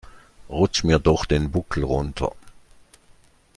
Rutsch mir doch den Buckel runter.